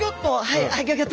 はい。